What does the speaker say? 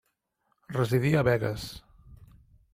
Residí a Begues.